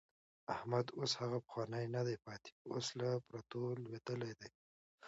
احمد اوس هغه پخوانی نه دی پاتې، اوس له پرتو لوېدلی دی.